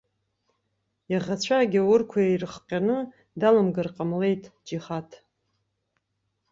Иаӷацәа агьааурқәа ирыхҟьаны, даламгар ҟамлеит џьихад.